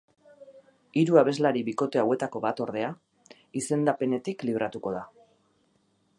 Hiru abeslari bikote hauetako bat, ordea, izendapenetik libratuko da.